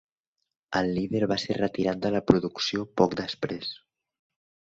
El líder va ser retirat de la producció poc després.